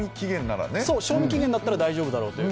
賞味期限だったら大丈夫だろうと。